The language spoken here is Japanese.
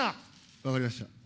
分かりました。